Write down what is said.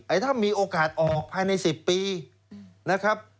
ถ้ามีโอกาสออกภายใน๑๐ปีนะครับ